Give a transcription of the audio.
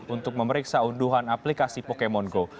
untuk memeriksa unduhan aplikasi pokemon go